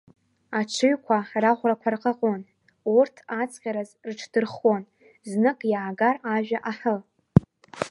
Аҽыҩқәа раӷәрақәа рҟаҟон, урҭ аҵҟьараз рыҽдырххон, знык иаагар ажәа аҳы!